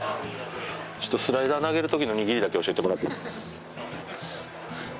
スライダー投げる時の握りだけ教えてもらって。